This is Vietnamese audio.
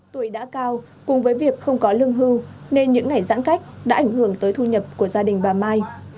tuổi đã cao cùng với việc không có lương hưu nên những ngày giãn cách đã ảnh hưởng tới thu nhập của gia đình bà mai